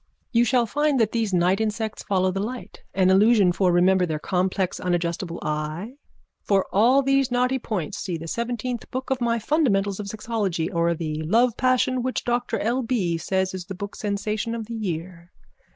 _ You shall find that these night insects follow the light. An illusion for remember their complex unadjustable eye. For all these knotty points see the seventeenth book of my Fundamentals of Sexology or the Love Passion which Doctor L. B. says is the book sensation of the year.